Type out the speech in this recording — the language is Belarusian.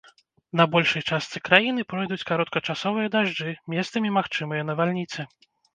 На большай частцы краіны пройдуць кароткачасовыя дажджы, месцамі магчымыя навальніцы.